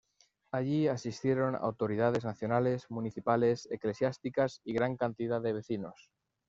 Allí asistieron autoridades nacionales, municipales, eclesiásticas, y gran cantidad de vecinos.